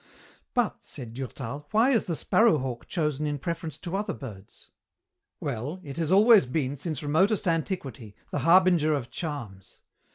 "But," said Durtal, "why is the sparrow hawk chosen in preference to other birds?" "Well, it has always been, since remotest antiquity, the harbinger of charms.